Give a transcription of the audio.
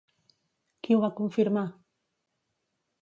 Qui ho va confirmar?